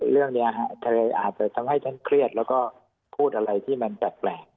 เรื่องนี้อาจจะทำให้ท่านเครียดแล้วก็พูดอะไรที่มันแปลก